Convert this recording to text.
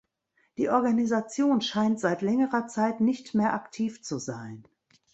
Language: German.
Die Organisation scheint seit längerer Zeit nicht mehr aktiv zu sein.